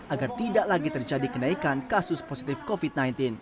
agar tidak lagi terjadi kenaikan kasus positif covid sembilan belas